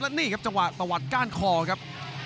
และนี่ครับจังหวะตะวัดก้านคอครับ